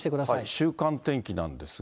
週間天気なんですが。